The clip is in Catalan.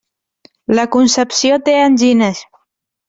La Concepció té angines.